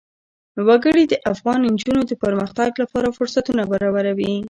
وګړي د افغان نجونو د پرمختګ لپاره فرصتونه برابروي.